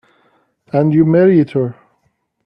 And you married her.